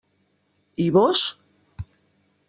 I vós?